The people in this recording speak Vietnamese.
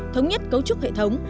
thống nhất cấu trúc hệ thống